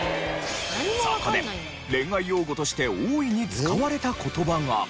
そこで恋愛用語として大いに使われた言葉が。